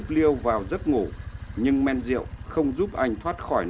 tao bảo mày cút nhanh